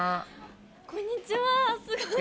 こんにちはすごい。